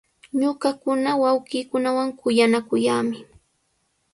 Ñuqakuna wawqiikunawan kuyanakuyaami.